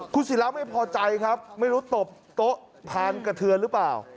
คุณศิราไม่พอใจครับไม่รู้ตบโต๊ะพานกระเทือนหรือเปล่า